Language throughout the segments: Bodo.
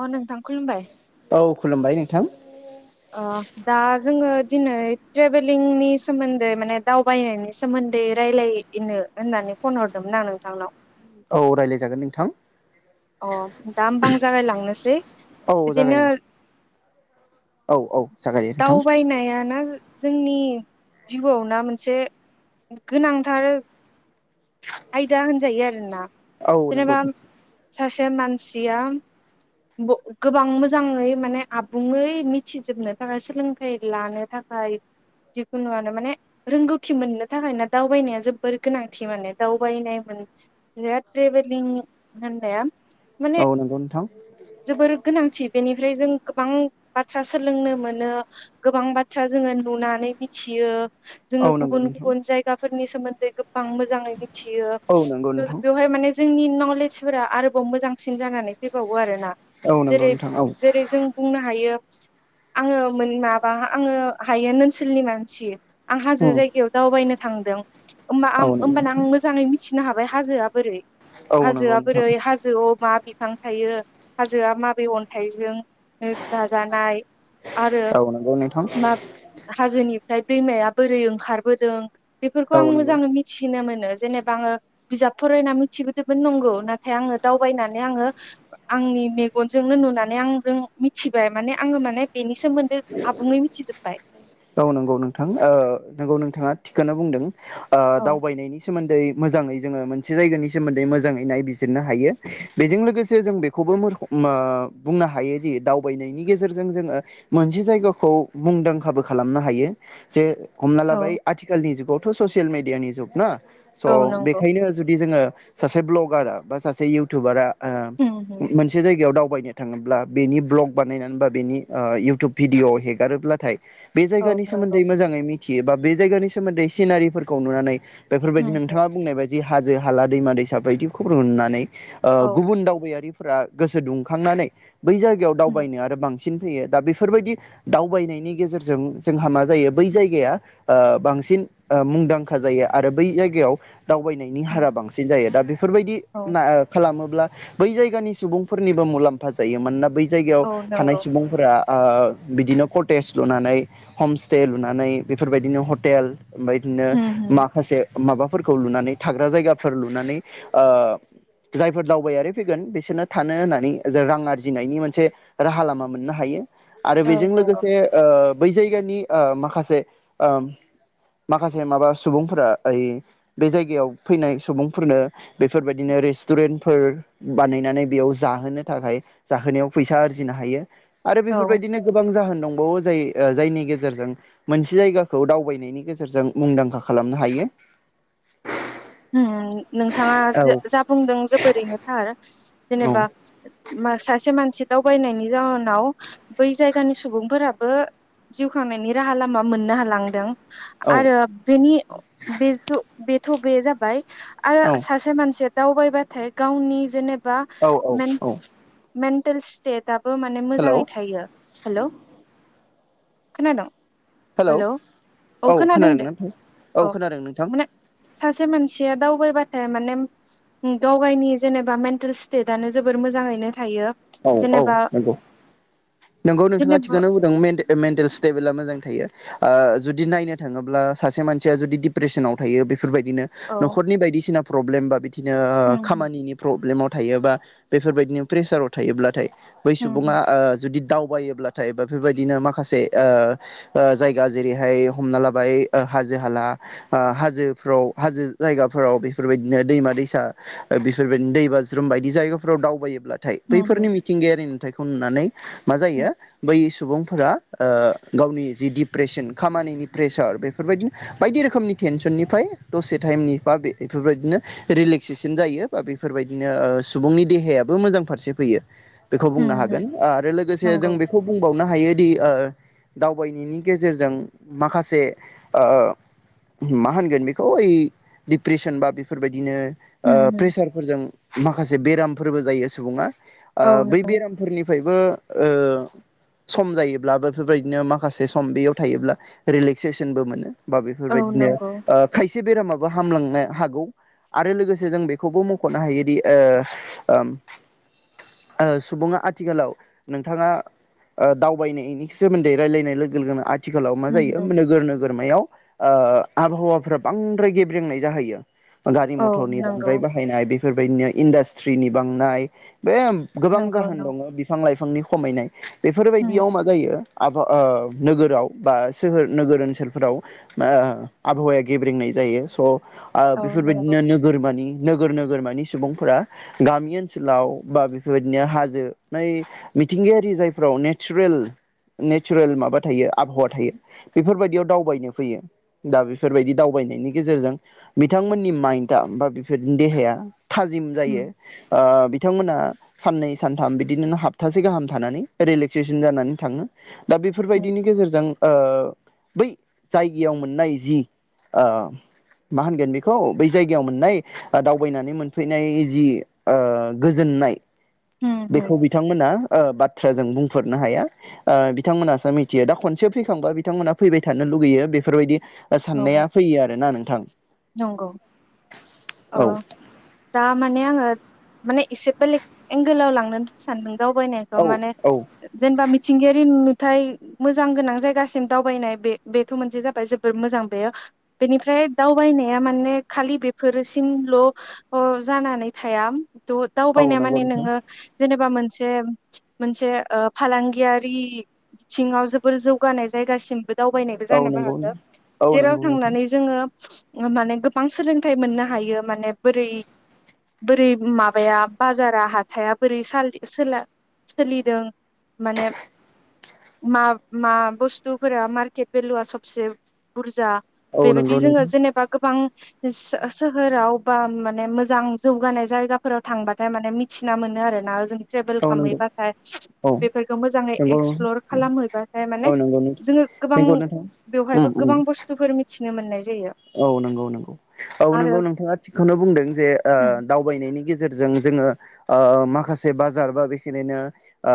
अ नोंथां खुलुमबाय औ खुलुमबाय नोंथां। अ दा जोङो दिनै ट्रेभेलिंनि सोमोन्दै माने दावबायनायनि सोमोन्दै रायलायनो होननानै फन हरदोंमोन आं नोंथांनाव औ रायज्लायजागोन नोंथां। अ दा होनबा‌ आं जागाय लांनोसै। औ जागाय बिदिनो नोंथां औ औ जागायो नोंथां दावबायनायना जोंनि जिउआव ना मोनसे गोनांथार आयदा होनजायो आरोना औ नंगौ ससे मानसिया गोबां मोजाङै माने आबुङै मिथिजोबनो थाखाय सोलोंथाइ लानो थाखाय जिखुनुआनो माने रोंगौथि मोननो थाखाय ना दावबायनाया जोबोर गोनांथि माने दावबायनाय होन जे ट्रेभेलिं होननाया औ माने नंगौ नोंथां जोबोर गोनांथि बेनिफ्राय जों गोबां बाथ्रा सोलोंनो मोनो गोबां बाथ्रा जोङो नुनानै मिथियो औ जोङो नंगौ गुबुन नोंथां गुबुन जायगाफोरनि सोमोन्दै गोबां मोजाङैनो औ [unintelligible] नंगौ नोंथां बेवहाय मानि जोंनि नलेजफोरा आरोबाव मोजांसिन जानानै फैबावो आरोना। औ नंगौ जेरै नोंथां औ जेरै जों बुंनो हायो आङो माबा आङो हायो ओनसोलनि मानसि आं हाजो जायगायाव दावबायनो थांदों। औ नंगौ होनोमबाना नोंथां आं मिथिनो हाबाय हाजोआ बोरै औ नंगौ हाजोआ नोंथां बोरै हाजोआव मा बिफां थायो हाजोआ माबे अन्थाइजों दाजानाय। आरो औ नंगौ नोंथां मा हाजोनि ओमफ्राय दैमाया बोरै ओंखारबोदों। बेफोरखौ औ आं नंगौ मोजाङै मिथिनो मोनो। जेनेबा आङो बिजाब फरायना मिथिबोदोंमोन नंगौ नाथाय आङो दावबायनानै आङो आंनि मेगनजोंनो नुनानै आंजों मिथिबाय माने आङो माने बेनि सोमोन्दै आबुङै मिथिजोब्बाय। औ नंगौ नोंथां नंगौ नोंथाङा थिखनो बुंदों। औ दावबायनायनि सोमोन्दै दै मोजाङै जोङो मोनसे जायगानि सोमोन्दै मोजाङै नायबिजिर नो हायो बेजों लोगोसे जों बेखौबो ओ बुंनो हायोदि दावबायनायनि गेजेरजों जोङो मोनसे जायगाखौ मुंदांखाबो खालामनो हायो जे हमना लाबाय औ आथिखालनि जुगाव थ ससियेल मिडियानि जुग ना। स औ नंगौ बेखायनो जुदि जोङो सासे भ्लगारा बा सासे इउटुबारा होम होम मोनसे जायगायाव दाव दावबायनो थाङोब्ला बेनि ब्लग बानायनानै बा बेनि इउटुब भिडिअ हेगारोब्लाथाय बे औ जायगानि नंगौ सोमोन्दै मोजाङै मि- मिथियो बा बे जायगानि सोमोन्दै सिनारिफोरखौ नुनानै बेफोरबायदि होम होम नोंथाङा बुंनाय बायदि हाजो हाला दैमा दैसा बायदिखौ नुनानै औ गुबुन दावबायारि फोरा गोसो दुंखांनानै बै जायगायाव होम दावबायनो आरो बांसिन बांसिन फैयो दा बेफोरबायदि दावबायनायनि गेजेरजों। जों जोंहा मा जायो बै जायगाया ओ बांसिन मुंदांखा जायो आरो बै जायगायाव दावबायनायनि होम हारा बांसिन जायो। दा बे बेफोरबायदि औ खालामो बै जायगानि सुबुंफोरनिबो मुलाम्फा जायो मानोना बै जायगायाव औ थानाय नंगौ सुबुंफोरा बिदिनो कटेज लुनानै। हमस्टे लुनानै बेफोरबायदिनो हटेल। ओमफ्राय बिदिनो होम होम माखासे माबाफोरखौ लुनानै थाग्रा जायगाफोर लुनानै जायफोर दावबायारि फैगोन बिसोरनो थानो होनानै रां आरजिनायनि मोनसे राहा लामा मोननो हायो। आरो औ बेजों नंगौ लोगोसे ओ बै जायगानि ओम माखासे ओ माखासे माखासे माबा सुबुंफोरा ओय बे जायगायाव फैनाय सुबुंफोरनो बेफोरबायदिनो रेस्टुरेन्टफोर बानायनानै बेयाव जाहोनो थाखाय जाहोनायाव फैसा आरजिनो हायो। आरो औ बेफोरबायदिनो गोबां जाहोन दंबावो जाय जायनि गेजेरजों मोनसे जायगाखौ दावबायनायनि गेजेरजों मुंदांखा खालामनो हायो। होम। नोंथाङा औ जा बुंदों जोबोरैनो थार औ जेनेबा सासे मानसि दावबायनायनि जााहोनाव बै जायगानि सुबुंफोराबो जिउ खांनायनि राहा लामा मोननो हालांदों। औ आरो बेनि बे बेथ बे जाबाय बाय। आरो सासे मानसिया दावबायबाथाय गावनि जेनेब बा औ औ मेन औ मेन टेल स्टेत। दाबो माने हेल' मोजाङै थायो हेल'। खोनादोंं? हेलौ औ खोनादों दे औ खोनादों नोंथां माने सासे मानसिया दावबायबाथ ए माने गाव गायनि जेनेबा मेन्टेल स्टेटआनो जोबोर मोजाङैनो थायो औ औ जेनेबा नंगौ नंगौ नोंथाङा जेनेबा थिखानो बुंदों मे-मेन्टेल स्टेबोला मोजां थायो ओह जुदि नायनो थाङोब्ला सासे मानसिया जुदि डिप्रेसनाव थायो बेफोरबायदिनो औ नखरनि बायदिसिना प्रब्लेम बा बिदि दिनो खामानिनि प्रब्लेमाव थायोबा बेफोरबायदिनो प्रेसाराव थायोब्लाथाय बै होम सुबुङा ओह जुदि दावबायोब्लाथाय बेफोरबायदिनो माखासे ओह ओह जायगा जेरैहाय हमना लाबाय ओ हाजो हाला ओह हाजोफ्राव हाजो जायगाफोराव बेफोरबायदिनो दैमा दैसा बेफोरबायदिनो दै बाज्रुम बायदि जायगाफोराव दावबायोब्ला होम बैफोरनि होम मिथिंगायारि नुथायखौ नुनानै मा जायो बै सुबुं फोरा ओह गावनि जि डिप्रेसन खामानिनि प्रेसार बेफोरबायदिनो बायदि रोखोमनि टेनसननिफ्राय दसे टाइमनि बा बे बेफोरबायदिनो रिलेक्सेसन जायो बा बेफोरबायदिनो ओह सुबुंनि देहायाबो मोजां फारसे फैयो। बेखौ बुंनो होम हागोन। होम ओ आरो लोगोसे नंगौ जों बेखौ बुंबावनो हायोदि ओ दावबायनायनि गेजेरजों माखासे ओ मा होनगोन बेखौ ओइ डिप्रेसन बा बेफोरबायदिनो ओ होम प्रेसारफोरजों माखासे बेरामफोरबो जायो सुबुङा। ओ बै होम बेरामफोरनिफ्रायबो ओ सम जायोब्ला बेफोरबायदिनो माखासे सम बेयाव थायोब्ला रिलेक्सेसनबो मोनो। बा औ बेफोरबायदिनो नंगौ ओ खायसे बेरामाबो हामलां नो हागौ। आरो लोगोसे जों बेखौबो मुंख'नो हायोदि ओ ओम ओह सुबुङा आथिखालाव नोंथाङा ओ दावबायनायनि सोमोन्दै रायज्लायनाय लोगो लोगोनो आ थिखालाव मा जायो नोगोर नोगोरमायाव ओह आबहावाफ्रा बांद्राय गेब्रेेंनाय जाहैयो। गारि औ मटरनि नंगौ बांद्राय बाहायनाय बे बेफोरबायदिनो इन्डासट्रिनि बांनाय बे गोबां जाहोन होम दङ बिफां लाइफांनि खमायनाय बेफोरबायदियाव मा होम जायो आबा ओ नोगोराव बा सोहोर नोगोर ओनसोलफोराव ओ आबहावाया गेब्रेंंनाय जायो। स' ओ औ नंगौ बेफोरबायदिनो नोगोरमानि नोगोर नोगोरमानि सुबुंफोरा गामि ओनसोलाव बा बेफोरबायदिनो हाजो नै मिथिंगायारि जायफोराव नेचारेल नेचारेल माबा थायो आबहावा थायो बेफोरबायदियाव दावबायनो फैयो। दा बेफोरबायदि दावबायनायनि गेजेरजों बिथांमोननि माइन्डआ बा बेफोरनि देहाया थाजिम नंगौ होम औ नंगौ जायो। होम ओ बिथांमोना सान्नै सान्थाम बिदिनो हाप्तासे गाहाम थानानै रिलेक्सेसन जानानै थाङो। दा होम बेफोरबायदिनि गेजेरजों ओ बै जायगायाव मोननाय जि ओ मा होनगोन बेखौ बै जायगायाव मोननाय दावबायनानै मोनफैनाय जि ओ गोजोननाय होम होम बेखौ बिथांमोना ओ बाद थ्राजों बुंफोरनो हाया ओ बिथांमोनासो मिथियो दा खनसे फैखांबा बिथांमोना फैबाय थानो लुगैयो बेफोरबायदि। औ साननाया फैयो आरोना नोंथां नंगौ अ औ दा माने आङो माने एसे बेलेग एंगोलाव लांनो सानदों। दावबायनायखौ औ माने औ ओ जेनेबा मिथ सिंगियारि नुथाय मोजां गोनां जायगासिम दावबायनाय बे बेथ' मोनसे जाबाय जोबोर मोजां बेयो बेनिफ्राय दाव दावबानाया माने खालि बेफोरसिमल' अ जानानै थाया। द औ दावबायनाया नंगौ माने नोंथां नोङो जेनेबा मोनस सेम मोनसे ओ फालांगियारि बिथिङाव जोबोर जौगानाय जायगासिमबो दावबायनायबो औ जानोबो नंगौ हागो औ जेराव नंगौ नोंथां थांनानै जोङो ओ माने गोबां सोलोंथाइ मोननो हायो माने बोरै बोरै माबाया बाजारा हाथाया बोरै सालि सोला सोलिदों माने मा मा बुस्थुफोरा मार्केट भेलुआ सबसे बुरजा औ बेबायदि नंगौ जोङो नोंथां। जेनेबा गोबां सो ओ सोहोराव बा माने मोजां जौगानाय जायगाफोराव थांबाथाय माने मिथिना मोनो आरोना जों। ट्रेभेल औ नंगौ खामहैबाथाय औ बेफोरखौ मोजाङै नंगौ एक्सप्लर खालामहैबाथाय माने औ नंगौ जोङो गोबां नंगौ नोंथां उम बेवहायबो उम गोबां बुस्थुफोर मिथ मिथिनो मोननाय जायो। औ नंगौ नंगौ औ नंगौ आरो नोंथाङा थिगखौनो बुंदों जे ओ दावबायनायनि गेजेर जेरजों जोङो ओ माखासे बाजार बा बेखिनिनो ओ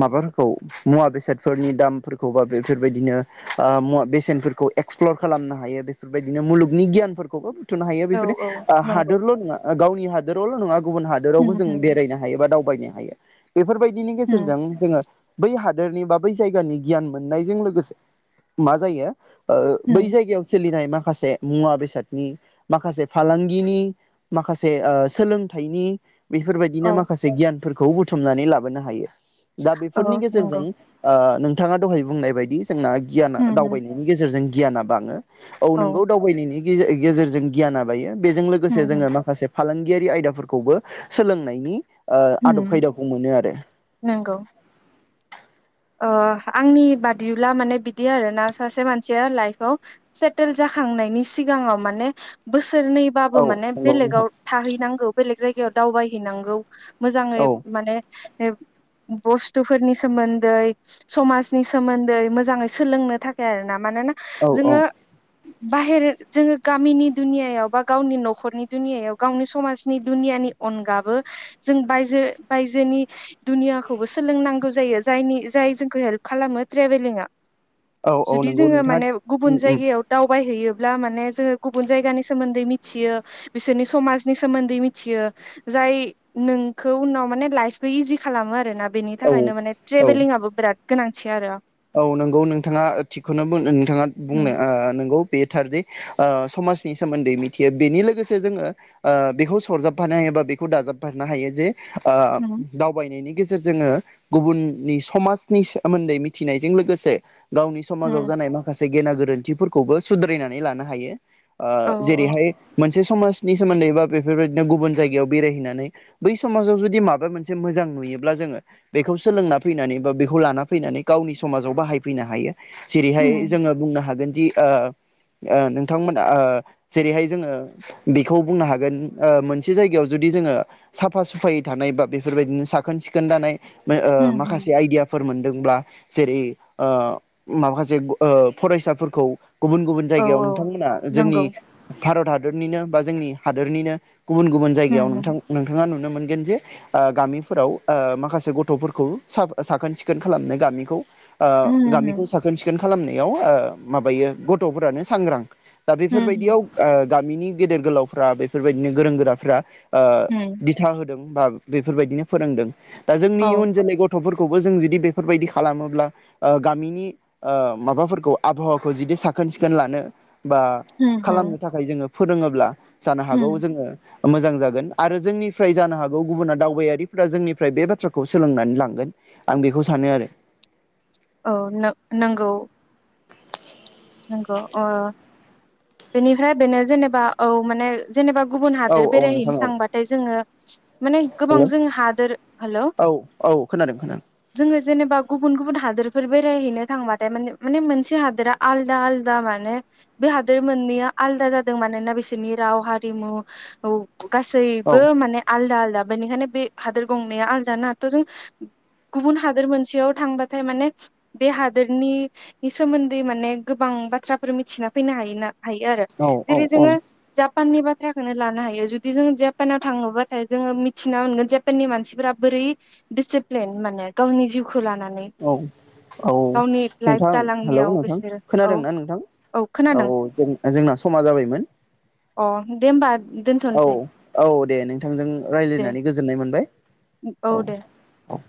माबाफोरखौ मुवा बेसादफोरनि दामफोरखौ बा बेफोरबायदिनो ओ मुवा बेसेनफोरखौ एक्सप्लर खालामनो हायो बे बेफोरबायदिनो मुलुगनि गियानफोरखौबो बुथुनो हायो औ बेफोरदि औ आ नंगौ हादोरल' नङा। आ गावनि हादोरावल' नङा। गुबुन हादोरावबो जों बेरायनो हायो बा दाव थगायनो हायो। बेफोरबायदिनि गेजेरजों जोङो बै हादोरनि बा बै जायगानि गियान मोननायजों लोगोसे मा जायो ओ बै जायगायाव सोलि माखासे मुवा बेसादनि माखासे फालांगिनि माखासे ओ सोलोंथाइनि बेफोरबायदिनो औ माखासे गियान फोरखौ बुथुमनानै लाबोनो हायो। दा बेफोरनि औ गेजेरजों नंगौ ओ नों थाङा दहाय बुंनाय बायदिस जोंना गियाना दावबायनायनि गेजेरजों गियाना बाङो। औ नोंगौ दावबायनायनि। गेज-गेजेरजों गियाना बायो। बेजों लोगोसे जोङो माखासे। फालांगियारि आयदाफोरखौबो सोलोंनायनि। ओ आदब खायदाखौ मोनो आरो। नंगौ ओ आंनि बादिब्ला माने बिदि आरोना सासे मानसिया लाइफआव सेटेल जाखांनायनि सिगाङाव माने बोसोर। सोरनैबाबो औ माने नंगौ बेलेगाव नोंथां थाहैनांगौ बेलेग जाय। याव दावबायहैनांगौ। मोजाङै माने [inaudible] बुस्थुफोरनि सोमोन‌। न्दै समाजनि सोमोन्दै मोजाङै सोलोंनो थाखाय आरो ना। मानोना औ औ जोङो। बाहेर जोङो गामिनि दुनियायाव बा गावनि नखरनि दुनियायाव गावनि समाजनि दुनियानि अनगाबो जों बायजो बायजोनि दुनियाखौबो सोलोंनांगौ जायो। जायनि जाय जोंखौ हेल्प खालामो ट्रेभेलिंआ। औ औ जुदि नंगौ जोङो नोंथाङा माने उम गुबुन उम जायगायाव दावबायहैयो। ब्ला माने जोङो गुबुन जायगानि सोमोन्दै मिथियो बिसोरनि समाजनि सोमोन्दै मिथियो जाय नोंखौ उनाव माने लाइफखौ इजि खालामो आरो ना। बेनि औ थाखायनो माने। औ टेभेलिंआबो बिराद। गोनांथि आरो। औ नोंगौ नोंथाङा थिगखौनो बुंनो-नोंथाङा उम बुंनो ओ नोंगौ। बे थारदि ओ समाजनि सोमोन्दै मिथियो बेनि लोगोसे जोङो ओ बेखौ सरजाबफानो हायो बा बेखौ दाजाबफानो हायो जे। ओ उम दावबायनायनि। गेजेरजों जोङो गुबुननि समाजनि सोमोन्दै। थिनायजों लोगोसे। गावनि समाजाव उम जानाय माखासे। गेना गोरोन्थिफोरखौबो सुद्रायनानै लानो हायो। ओ औ जेरैहाय मोनसे । समाजनि सोमोन्दै बा बेफोरबायदिनो गुबुन जायगायाव बेरायहैनानै बै समाजाव जुदि माबा मोनसे मोजां नुयोब्ला जोङो बेखौ सोलोंना फैनानै बा बेखौ लाना फैनानै। गावनि समाजाव बाहायफैनो हायो। उम जेरैहाय जोङो बुंनो हागोन । दि-ओ ओ-नोंथांमोना-ओ जेरैहाय जोङो बेखौ बुंनो हागोन ओ- मोनसे जायगायाव जुदि जोङो साफा सुफायै थानाय बा बेफोरबायदिनो साखोन सिखोन थानाय। [inaudible] ओ उम माखासे आयदियाफोर मोन । दोंब्ला । जेरै ओ माखासे ओ फरायसाफोरखौ । गुबुन गुबुन औ जायगायाव औ नोंथांमोना जोंनि नंगौ । भारत हादरनिनो बा जोंनि हादोरनिनो गुबुन गुबुन होम जायगायाव होम नोंथां नोंथाङा नु नुनो मोनगोन जे ओ गामिफोराव ओ माखासे गथ'फोरखौ साफ ओ साखोन सिखोन खालामनो गामिखौ ओ उम होम होम गामिखौ साखोन सिखोन खालामनायाव ओ माबायो गथ'फोरानो सांग्रां दा होम बेफोरबायदियाव ओ गामिनि गेदेर गोलावफ्रा बेफोरबायदिनो गोरों गोराफ्रा ओ होम दिथा हो दों बा बेफोरबायदिनो फोरोंदों दा जोंनि औ इउन जोलै गथ'फोर खौबो जों जुदि बेफोरबायदि खालामो ब्ला ओ गामिनि ओ माबाफोरखौ आबहावाखौ जुदि साखोन सिखोन लानो बा होम होम खालामनो थाखाय जोङो फोरोङोब्ला जानो हागौ होम जोङो मोजां जागोन आरो जोंनिफ्राय जानो हागौ गुबुना दावबायारिफ्रा जोंनिफ्राय बे बाथ्राखौ सोलोंनानै लांगोन आं बेखौ सानो आरो औ नं-नंगौ नंगौ अ बेनिफ्राय बेनो जेनेबा औ माने जेनेबा गुबुन औ हादोर औ नोंथां बेरायहैनो औ थांबाथाय जोङो माने गोबां हेलौ जों हादोर हेल' औ औ खोनादों खोनादों जोङो जेनेबा गुबुन गुबुन हादोरफोर बे बेरायहैनो थांबाथाय माने माने मोनसे हादोरा आलदा आलदा माने बे हादोर मोननैया आलदा जादों मानोना बिसोरनि राव हारिमु औ गासैबो माने आलदा आलदा बेनिखायनो बे हादोर गंना आलदाना थ' जों गुबुन हादोर मोनसेयाव थांबाथाय माने बे हादोरनि सोमोन्दै माने गोबां बाथ्राफोर मिथिना फैनो हायोना हायो आरो औ जेरै औ जोङो जा पाननि बाथ्राखौनो लानो हायो जुदि जों जापानाव थाङोबाथाय जो मिथि मोनोगोन जे जापाननि मानसिफोरा बोरै दिसिफ्लेन माने गावनि जिउ औ औ गावनि लाइफ नोंथां हेल' दालांनायाव नोंथां बिसोरो औ खोनादोंना नोंथां औ औ जों जोंना समा जाबायमोन अ दे होमबा औ दोनथ'नोसै औ दे नोंथांजों दे रायज्लायनानै गोजोननाय मोनबाय औ औ